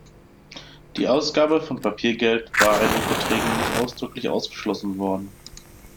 Die Ausgabe von Papiergeld war in den Verträgen nicht ausdrücklich ausgeschlossen worden.